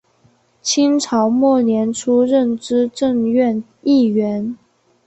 清朝末年出任资政院议员。